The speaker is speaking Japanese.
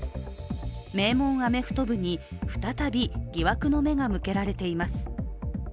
名門アメフト部に再び疑惑の目が向けられています。